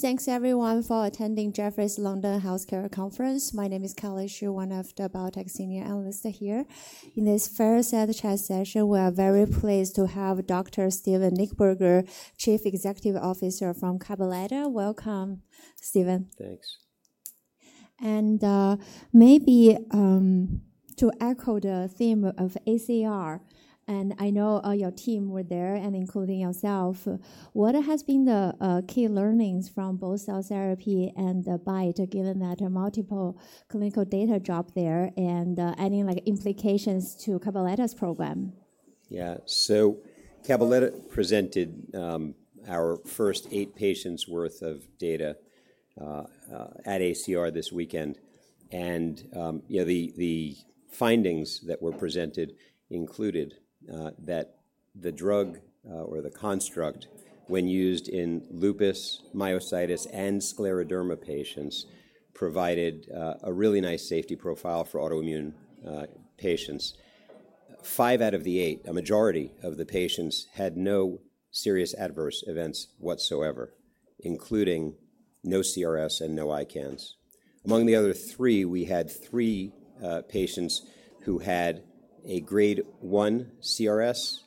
Thanks, everyone, for attending Jefferies London Healthcare Conference. My name is Kelly Shi, one of the biotech senior analysts here. In this fireside chat session, we are very pleased to have Dr. Steven Nichtberger, Chief Executive Officer from Cabaletta. Welcome, Steven. Thanks. And maybe to echo the theme of ACR, and I know your team were there, including yourself, what has been the key learnings from both cell therapy and BiTE, given that multiple clinical data dropped there and any implications to Cabaletta's program? Yeah, so Cabaletta presented our first eight patients' worth of data at ACR this weekend. And the findings that were presented included that the drug, or the construct, when used in lupus, myositis, and scleroderma patients, provided a really nice safety profile for autoimmune patients. Five out of the eight, a majority of the patients, had no serious adverse events whatsoever, including no CRS and no ICANS. Among the other three, we had three patients who had a grade 1 CRS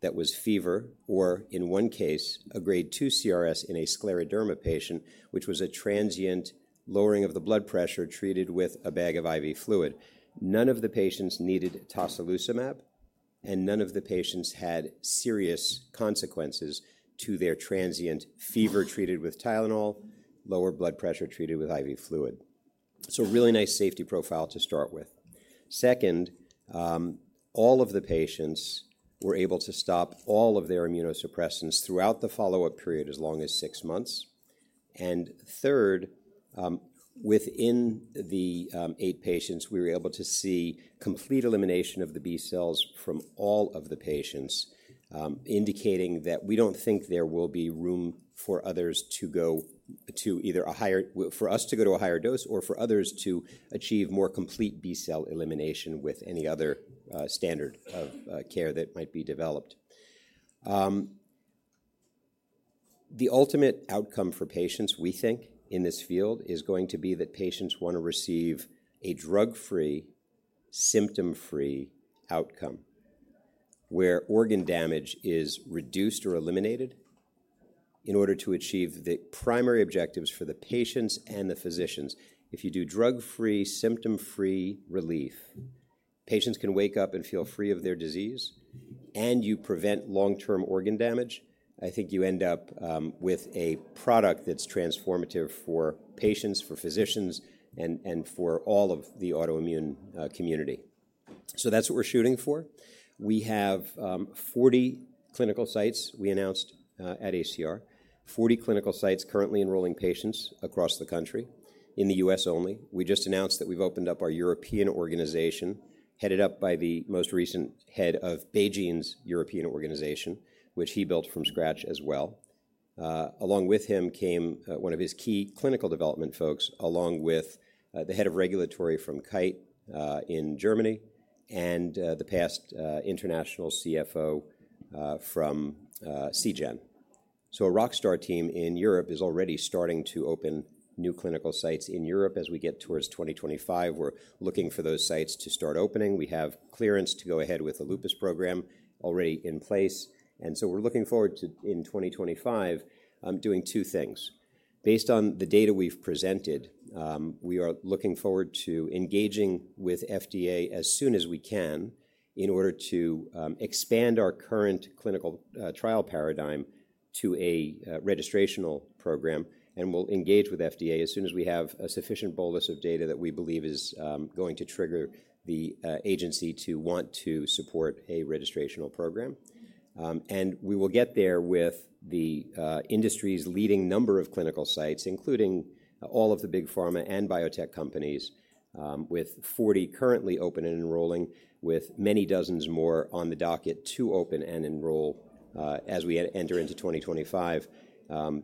that was fever, or in one case, a grade 2 CRS in a scleroderma patient, which was a transient lowering of the blood pressure treated with a bag of IV fluid. None of the patients needed tocilizumab, and none of the patients had serious consequences to their transient fever treated with Tylenol, lower blood pressure treated with IV fluid. So a really nice safety profile to start with. Second, all of the patients were able to stop all of their immunosuppressants throughout the follow-up period as long as six months, and third, within the eight patients, we were able to see complete elimination of the B cells from all of the patients, indicating that we don't think there will be room for others to go to either a higher for us to go to a higher dose or for others to achieve more complete B cell elimination with any other standard of care that might be developed. The ultimate outcome for patients, we think, in this field is going to be that patients want to receive a drug-free, symptom-free outcome where organ damage is reduced or eliminated in order to achieve the primary objectives for the patients and the physicians. If you do drug-free, symptom-free relief, patients can wake up and feel free of their disease, and you prevent long-term organ damage, I think you end up with a product that's transformative for patients, for physicians, and for all of the autoimmune community. So that's what we're shooting for. We have 40 clinical sites we announced at ACR, 40 clinical sites currently enrolling patients across the country, in the U.S. only. We just announced that we've opened up our European organization, headed up by the most recent head of BeiGene's European organization, which he built from scratch as well. Along with him came one of his key clinical development folks, along with the head of regulatory from Kite in Germany and the past international CFO from Seagen. So a rock star team in Europe is already starting to open new clinical sites in Europe. As we get towards 2025, we're looking for those sites to start opening. We have clearance to go ahead with the lupus program already in place. And so we're looking forward to, in 2025, doing two things. Based on the data we've presented, we are looking forward to engaging with FDA as soon as we can in order to expand our current clinical trial paradigm to a registrational program. And we'll engage with FDA as soon as we have a sufficient bolus of data that we believe is going to trigger the agency to want to support a registrational program. And we will get there with the industry's leading number of clinical sites, including all of the big pharma and biotech companies, with 40 currently open and enrolling, with many dozens more on the docket to open and enroll as we enter into 2025.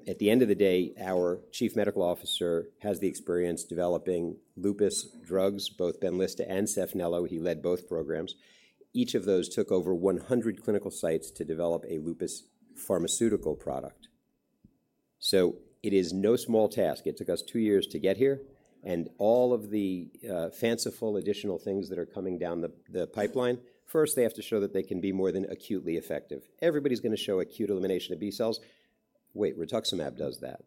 At the end of the day, our chief medical officer has the experience developing lupus drugs, both Benlysta and Saphnelo. He led both programs. Each of those took over 100 clinical sites to develop a lupus pharmaceutical product. So it is no small task. It took us two years to get here. And all of the fanciful additional things that are coming down the pipeline, first, they have to show that they can be more than acutely effective. Everybody's going to show acute elimination of B cells. Wait, rituximab does that.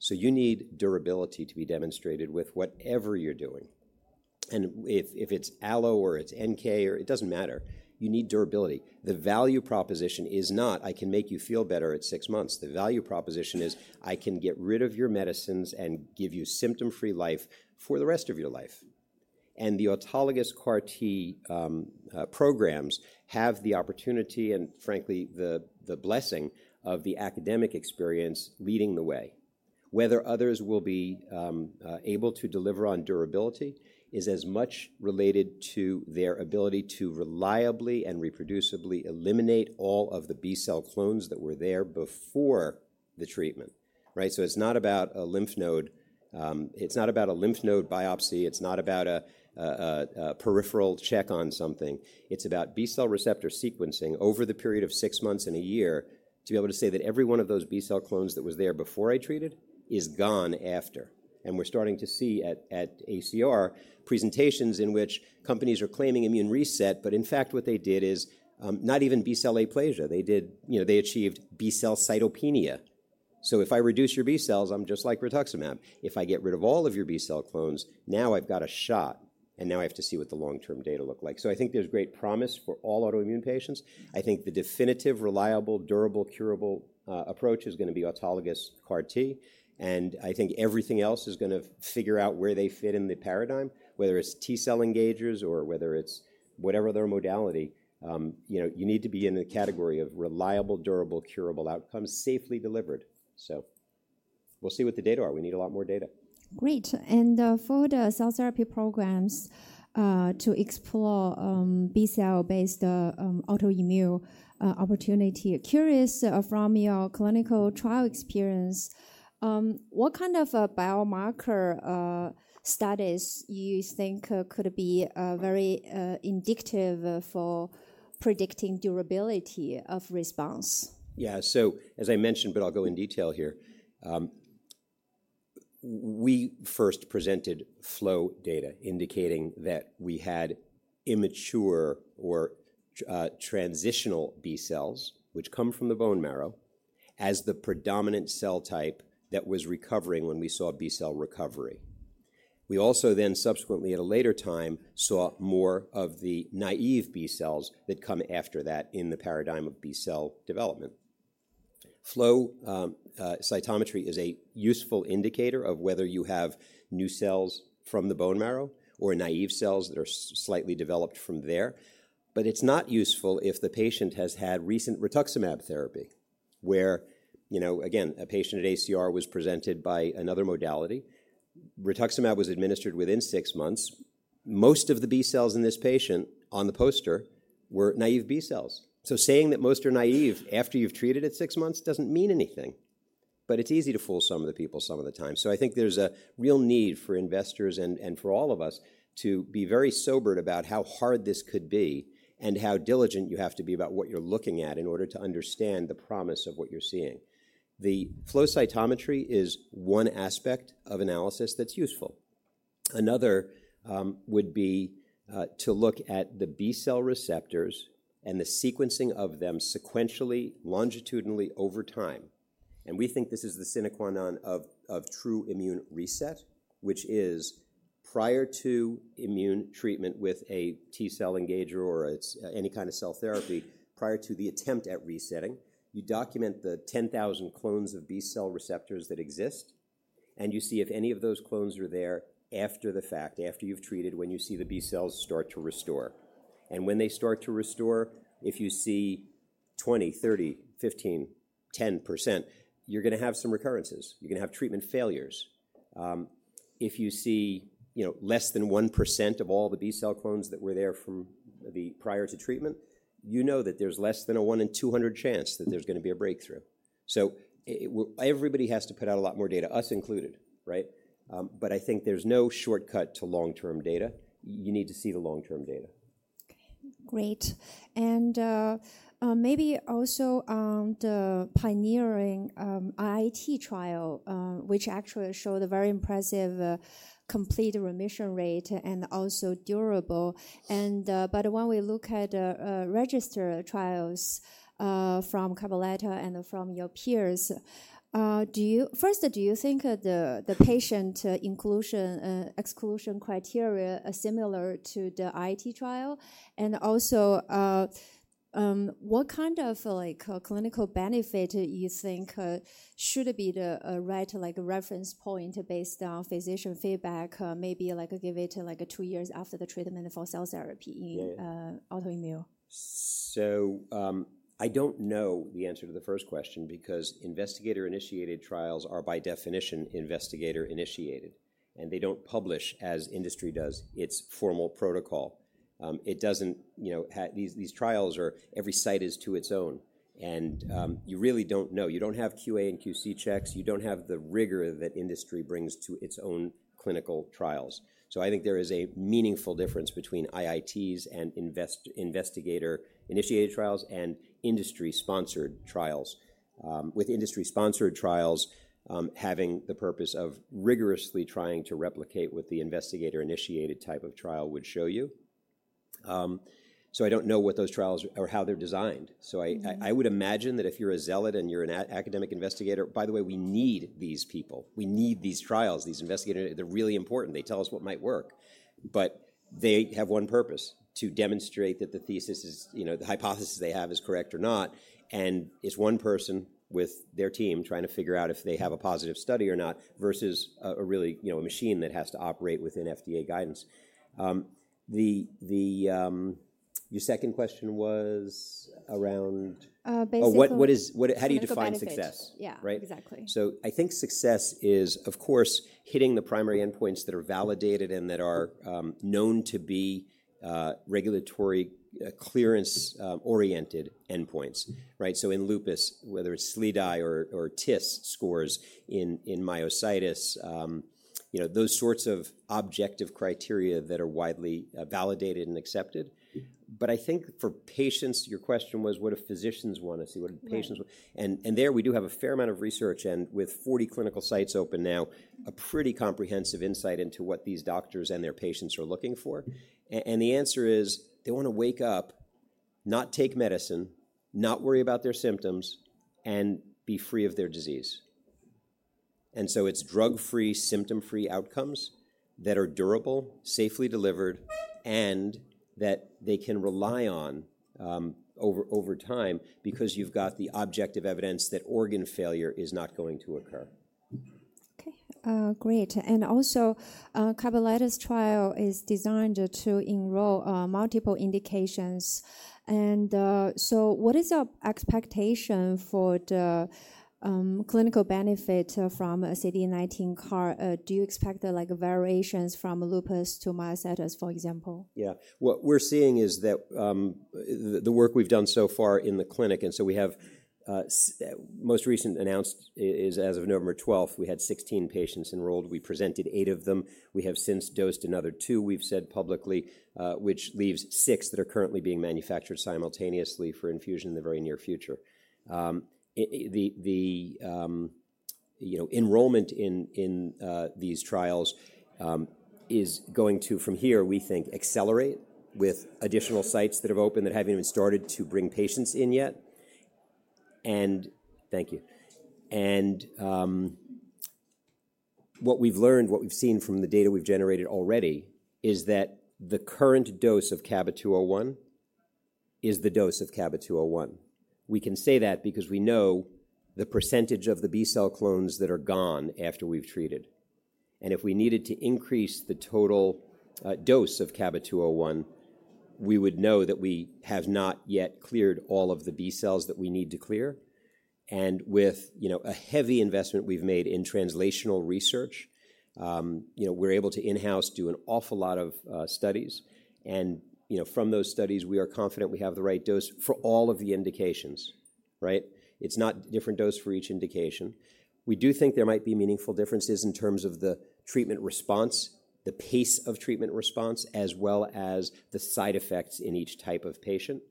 So you need durability to be demonstrated with whatever you're doing. And if it's allo or it's NK, or it doesn't matter, you need durability. The value proposition is not, "I can make you feel better at six months." The value proposition is, "I can get rid of your medicines and give you symptom-free life for the rest of your life," and the autologous CAR-T programs have the opportunity and, frankly, the blessing of the academic experience leading the way. Whether others will be able to deliver on durability is as much related to their ability to reliably and reproducibly eliminate all of the B cell clones that were there before the treatment, so it's not about a lymph node, it's not about a lymph node biopsy. It's not about a peripheral check on something. It's about B cell receptor sequencing over the period of six months and a year to be able to say that every one of those B cell clones that was there before I treated is gone after. And we're starting to see at ACR presentations in which companies are claiming immune reset, but in fact, what they did is not even B cell aplasia. They achieved B cell cytopenia. So if I reduce your B cells, I'm just like rituximab. If I get rid of all of your B cell clones, now I've got a shot, and now I have to see what the long-term data look like. So I think there's great promise for all autoimmune patients. I think the definitive, reliable, durable, curable approach is going to be autologous CAR-T. And I think everything else is going to figure out where they fit in the paradigm, whether it's T cell engagers or whether it's whatever their modality. You need to be in the category of reliable, durable, curable outcomes, safely delivered. So we'll see what the data are. We need a lot more data. Great. And for the cell therapy programs to explore B cell-based autoimmune opportunity, curious from your clinical trial experience, what kind of biomarker studies you think could be very indicative for predicting durability of response? Yeah, so as I mentioned, but I'll go in detail here. We first presented flow data indicating that we had immature or transitional B cells, which come from the bone marrow, as the predominant cell type that was recovering when we saw B cell recovery. We also then subsequently, at a later time, saw more of the naive B cells that come after that in the paradigm of B cell development. Flow cytometry is a useful indicator of whether you have new cells from the bone marrow or naive cells that are slightly developed from there. But it's not useful if the patient has had recent rituximab therapy, where, again, a patient at ACR was presented by another modality. rituximab was administered within six months. Most of the B cells in this patient on the poster were naive B cells. So saying that most are naive after you've treated it six months doesn't mean anything. But it's easy to fool some of the people some of the time. So I think there's a real need for investors and for all of us to be very sobered about how hard this could be and how diligent you have to be about what you're looking at in order to understand the promise of what you're seeing. The flow cytometry is one aspect of analysis that's useful. Another would be to look at the B cell receptors and the sequencing of them sequentially, longitudinally over time. We think this is the sine qua non of true immune reset, which is prior to immune treatment with a T cell engager or any kind of cell therapy, prior to the attempt at resetting. You document the 10,000 clones of B cell receptors that exist, and you see if any of those clones are there after the fact, after you've treated, when you see the B cells start to restore. And when they start to restore, if you see 20%, 30%, 15%, 10%, you're going to have some recurrences. You're going to have treatment failures. If you see less than 1% of all the B cell clones that were there prior to treatment, you know that there's less than a 1 in 200 chance that there's going to be a breakthrough. Everybody has to put out a lot more data, us included. But I think there's no shortcut to long-term data. You need to see the long-term data. Great. And maybe also the pioneering IIT trial, which actually showed a very impressive complete remission rate and also durable. But when we look at registered trials from Cabaletta and from your peers, first, do you think the patient inclusion exclusion criteria are similar to the IIT trial? And also, what kind of clinical benefit do you think should be the right reference point based on physician feedback, maybe give it two years after the treatment for cell therapy in autoimmune? I don't know the answer to the first question because investigator-initiated trials are, by definition, investigator-initiated. And they don't publish, as industry does, its formal protocol. These trials are every site is to its own. And you really don't know. You don't have QA and QC checks. You don't have the rigor that industry brings to its own clinical trials. So I think there is a meaningful difference between IITs and investigator-initiated trials and industry-sponsored trials, with industry-sponsored trials having the purpose of rigorously trying to replicate what the investigator-initiated type of trial would show you. So I don't know what those trials or how they're designed. So I would imagine that if you're a zealot and you're an academic investigator, by the way, we need these people. We need these trials, these investigators. They're really important. They tell us what might work. But they have one purpose: to demonstrate that the thesis is the hypothesis they have is correct or not. And it's one person with their team trying to figure out if they have a positive study or not versus a machine that has to operate within FDA guidance. Your second question was around. Basically. How do you define success? Yeah, exactly. I think success is, of course, hitting the primary endpoints that are validated and that are known to be regulatory clearance-oriented endpoints. In lupus, whether it's SLEDAI or TIS scores in myositis, those sorts of objective criteria that are widely validated and accepted. But I think for patients, your question was, what do physicians want to see? What do patients want? And there we do have a fair amount of research. And with 40 clinical sites open now, a pretty comprehensive insight into what these doctors and their patients are looking for. And the answer is they want to wake up, not take medicine, not worry about their symptoms, and be free of their disease. And so it's drug-free, symptom-free outcomes that are durable, safely delivered, and that they can rely on over time because you've got the objective evidence that organ failure is not going to occur. Great. And also, Cabaletta's trial is designed to enroll multiple indications. And so what is your expectation for the clinical benefit from CD19 CAR? Do you expect variations from lupus to myositis, for example? Yeah. What we're seeing is that the work we've done so far in the clinic, and so we have most recent announced is as of November 12, we had 16 patients enrolled. We presented eight of them. We have since dosed another two, we've said publicly, which leaves six that are currently being manufactured simultaneously for infusion in the very near future. The enrollment in these trials is going to, from here, we think, accelerate with additional sites that have opened that haven't even started to bring patients in yet. And thank you. And what we've learned, what we've seen from the data we've generated already is that the current dose of CABA-201 is the dose of CABA-201. We can say that because we know the percentage of the B cell clones that are gone after we've treated. If we needed to increase the total dose of CABA-201, we would know that we have not yet cleared all of the B cells that we need to clear. With a heavy investment we've made in translational research, we're able to in-house do an awful lot of studies. From those studies, we are confident we have the right dose for all of the indications. It's not a different dose for each indication. We do think there might be meaningful differences in terms of the treatment response, the pace of treatment response, as well as the side effects in each type of patient.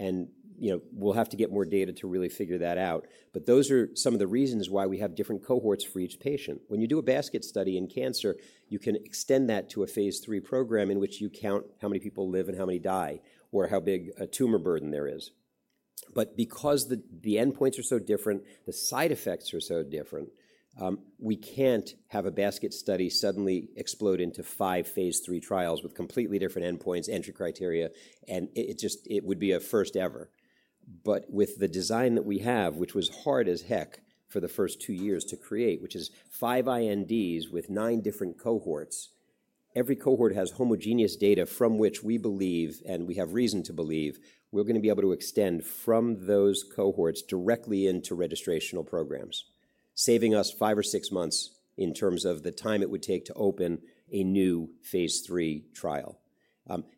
We'll have to get more data to really figure that out. Those are some of the reasons why we have different cohorts for each patient. When you do a basket study in cancer, you can extend that to a phase III program in which you count how many people live and how many die or how big a tumor burden there is. But because the endpoints are so different, the side effects are so different, we can't have a basket study suddenly explode into five phase III trials with completely different endpoints, entry criteria, and it would be a first ever. But with the design that we have, which was hard as heck for the first two years to create, which is five INDs with nine different cohorts, every cohort has homogeneous data from which we believe, and we have reason to believe, we're going to be able to extend from those cohorts directly into registrational programs, saving us five or six months in terms of the time it would take to open a new phase three trial.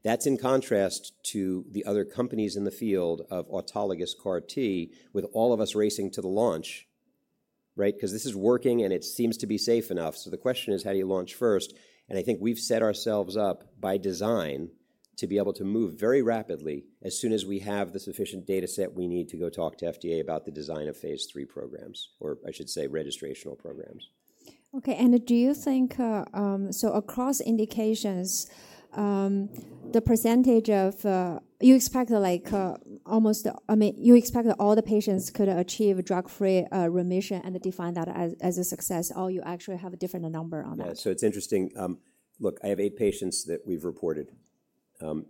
That's in contrast to the other companies in the field of autologous CAR-T, with all of us racing to the launch, because this is working and it seems to be safe enough. So the question is, how do you launch first? I think we've set ourselves up by design to be able to move very rapidly as soon as we have the sufficient data set we need to go talk to FDA about the design of phase III programs, or I should say registrational programs. Okay. And do you think so across indications, the percentage you expect almost all the patients could achieve drug-free remission and define that as a success, or you actually have a different number on that? Yeah, so it's interesting. Look, I have eight patients that we've reported.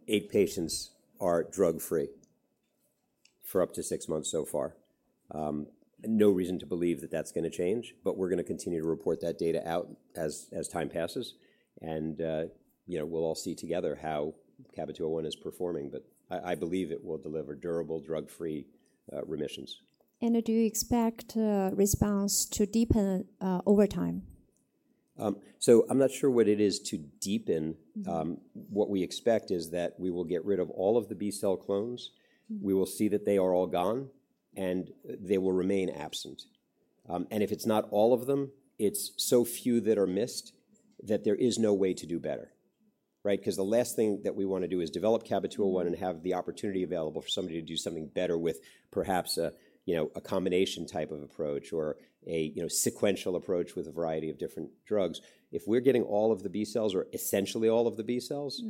Eight patients are drug-free for up to six months so far. No reason to believe that that's going to change, but we're going to continue to report that data out as time passes, and we'll all see together how CABA-201 is performing, but I believe it will deliver durable drug-free remissions. Do you expect response to deepen over time? I'm not sure what it is to deepen. What we expect is that we will get rid of all of the B cell clones. We will see that they are all gone, and they will remain absent. And if it's not all of them, it's so few that are missed that there is no way to do better. Because the last thing that we want to do is develop CABA-201 and have the opportunity available for somebody to do something better with perhaps a combination type of approach or a sequential approach with a variety of different drugs. If we're getting all of the B cells or essentially all of the B cells,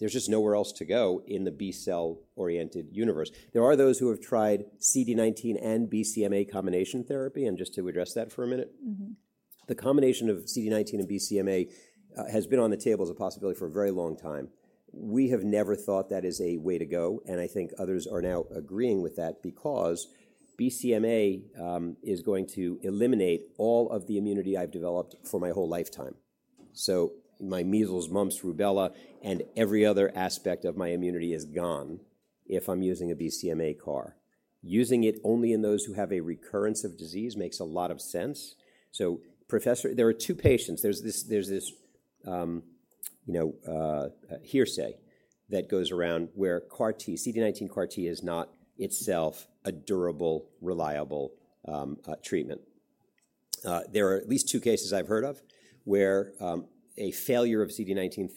there's just nowhere else to go in the B cell-oriented universe. There are those who have tried CD19 and BCMA combination therapy. And just to address that for a minute, the combination of CD19 and BCMA has been on the table as a possibility for a very long time. We have never thought that is a way to go. And I think others are now agreeing with that because BCMA is going to eliminate all of the immunity I've developed for my whole lifetime. So my measles, mumps, rubella, and every other aspect of my immunity is gone if I'm using a BCMA CAR. Using it only in those who have a recurrence of disease makes a lot of sense. So there are two patients. There's this hearsay that goes around where CD19 CAR-T is not itself a durable, reliable treatment. There are at least two cases I've heard of where a failure of CD19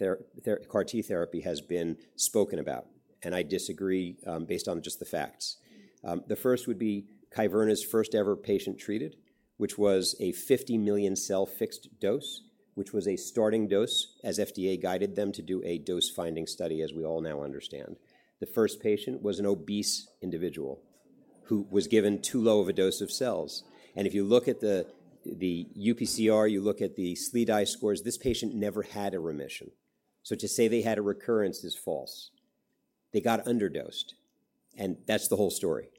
CAR-T therapy has been spoken about. And I disagree based on just the facts. The first would be Cabaletta's first ever patient treated, which was a 50 million cell fixed dose, which was a starting dose as FDA guided them to do a dose-finding study, as we all now understand. The first patient was an obese individual who was given too low of a dose of cells, and if you look at the UPCR, you look at the SLEDAI scores, this patient never had a remission, so to say they had a recurrence is false. They got underdosed, and that's the whole story.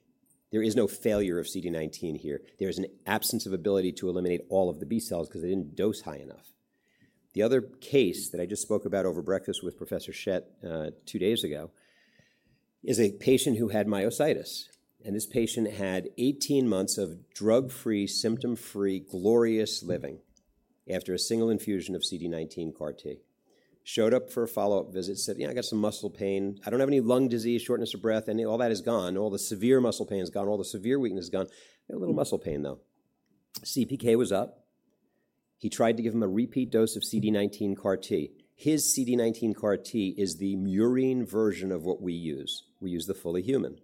There is no failure of CD19 here. There is an absence of ability to eliminate all of the B cells because they didn't dose high enough. The other case that I just spoke about over breakfast with Professor Schett two days ago is a patient who had myositis. And this patient had 18 months of drug-free, symptom-free, glorious living after a single infusion of CD19 CAR-T. Showed up for a follow-up visit, said, "Yeah, I got some muscle pain. I don't have any lung disease, shortness of breath. All that is gone. All the severe muscle pain is gone. All the severe weakness is gone. A little muscle pain, though." CPK was up. He tried to give him a repeat dose of CD19 CAR-T. His CD19 CAR-T is the murine version of what we use. We use the fully human.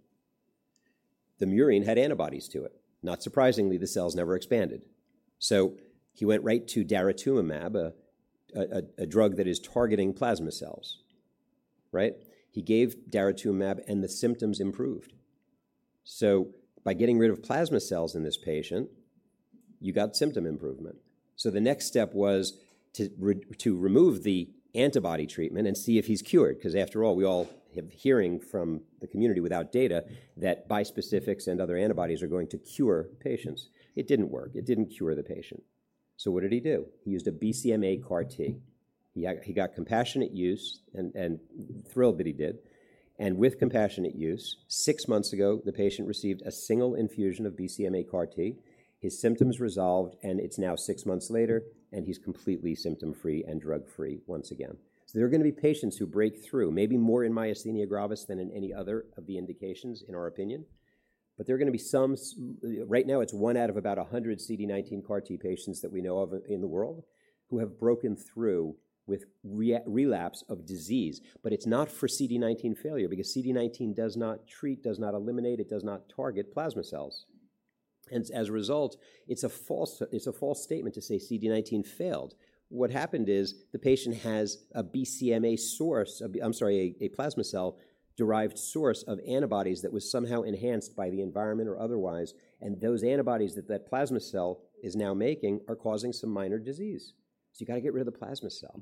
The murine had antibodies to it. Not surprisingly, the cells never expanded. So he went right to daratumumab, a drug that is targeting plasma cells. He gave daratumumab, and the symptoms improved. So by getting rid of plasma cells in this patient, you got symptom improvement. The next step was to remove the antibody treatment and see if he's cured. Because after all, we all have hearing from the community without data that bispecifics and other antibodies are going to cure patients. It didn't work. It didn't cure the patient. So what did he do? He used a BCMA CAR-T. He got compassionate use and thrilled that he did. And with compassionate use, six months ago, the patient received a single infusion of BCMA CAR-T. His symptoms resolved, and it's now six months later, and he's completely symptom-free and drug-free once again. So there are going to be patients who break through, maybe more in myasthenia gravis than in any other of the indications, in our opinion. But there are going to be some right now, it's one out of about 100 CD19 CAR-T patients that we know of in the world who have broken through with relapse of disease. But it's not for CD19 failure because CD19 does not treat, does not eliminate, it does not target plasma cells. And as a result, it's a false statement to say CD19 failed. What happened is the patient has a BCMA source, I'm sorry, a plasma cell-derived source of antibodies that was somehow enhanced by the environment or otherwise. And those antibodies that that plasma cell is now making are causing some minor disease. So you got to get rid of the plasma cell.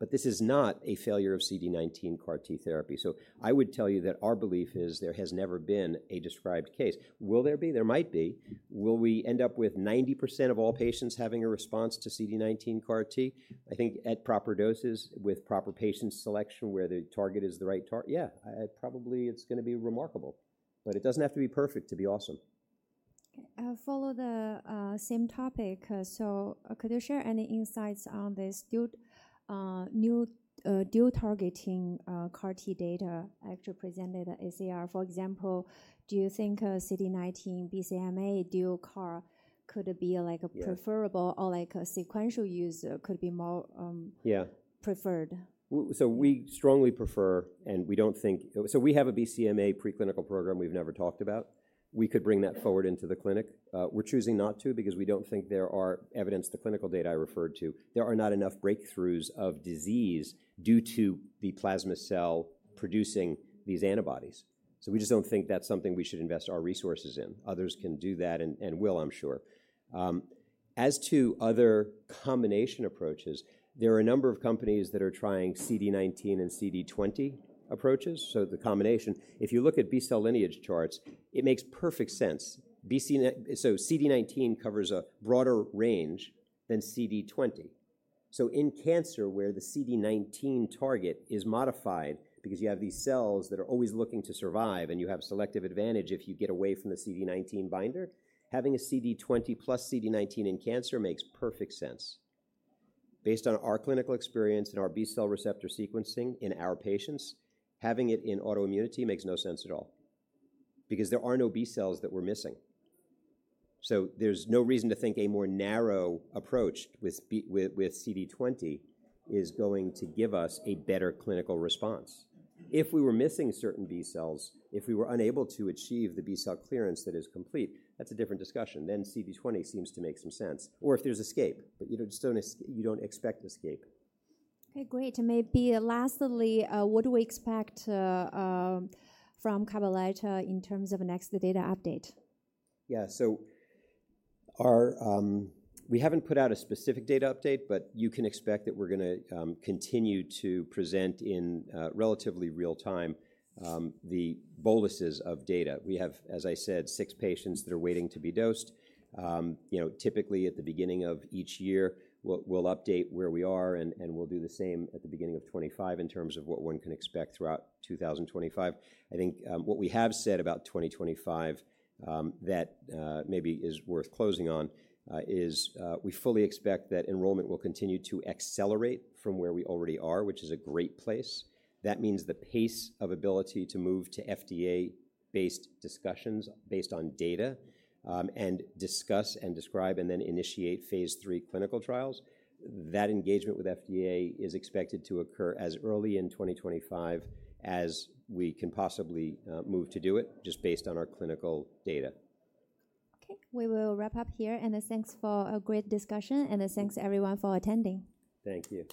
But this is not a failure of CD19 CAR-T therapy. So I would tell you that our belief is there has never been a described case. Will there be? There might be. Will we end up with 90% of all patients having a response to CD19 CAR-T? I think at proper doses, with proper patient selection where the target is the right target, yeah, probably it's going to be remarkable. But it doesn't have to be perfect to be awesome. Follow the same topic. So could you share any insights on this new dual-targeting CAR-T data actually presented at ACR? For example, do you think CD19 BCMA dual CAR could be preferable or a sequential use could be more preferred? So we strongly prefer, and we don't think we have a BCMA preclinical program we've never talked about. We could bring that forward into the clinic. We're choosing not to because we don't think there are evidence, the clinical data I referred to, there are not enough breakthroughs of disease due to the plasma cell producing these antibodies. So we just don't think that's something we should invest our resources in. Others can do that and will, I'm sure. As to other combination approaches, there are a number of companies that are trying CD19 and CD20 approaches. So the combination, if you look at B cell lineage charts, it makes perfect sense. So CD19 covers a broader range than CD20. So in cancer, where the CD19 target is modified because you have these cells that are always looking to survive and you have selective advantage if you get away from the CD19 binder, having a CD20 plus CD19 in cancer makes perfect sense. Based on our clinical experience and our B-cell receptor sequencing in our patients, having it in autoimmunity makes no sense at all because there are no B cells that we're missing. So there's no reason to think a more narrow approach with CD20 is going to give us a better clinical response. If we were missing certain B cells, if we were unable to achieve the B-cell clearance that is complete, that's a different discussion. Then CD20 seems to make some sense. Or if there's escape, but you don't expect escape. Okay. Great. Maybe lastly, what do we expect from Cabaletta in terms of next data update? Yeah, so we haven't put out a specific data update, but you can expect that we're going to continue to present in relatively real time the boluses of data. We have, as I said, six patients that are waiting to be dosed. Typically, at the beginning of each year, we'll update where we are, and we'll do the same at the beginning of 2025 in terms of what one can expect throughout 2025. I think what we have said about 2025 that maybe is worth closing on is we fully expect that enrollment will continue to accelerate from where we already are, which is a great place. That means the pace of ability to move to FDA-based discussions based on data and discuss and describe and then initiate phase III clinical trials. That engagement with FDA is expected to occur as early in 2025 as we can possibly move to do it, just based on our clinical data. Okay. We will wrap up here. Thanks for a great discussion. Thanks, everyone, for attending. Thank you.